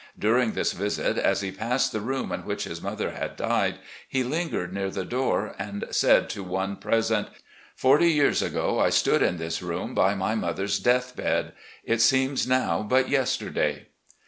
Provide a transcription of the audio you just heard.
During this visit, as he passed the room in which his mother had died, he lingered near the door and said to one present :" Forty years ago, I stood in this room by my mother's death bed! It seems now but yesterday!"